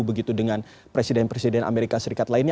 begitu dengan presiden presiden amerika serikat lainnya